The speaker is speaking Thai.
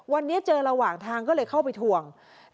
วันนี้เจอระหว่างทางก็เลยเข้าไปทวง